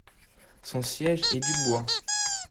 Son siège est Dubois.